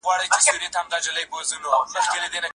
د ژوندون نور وړی دی